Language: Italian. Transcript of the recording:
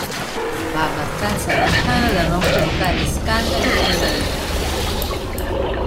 Ma abbastanza lontano da non provocare scandali e rivalità.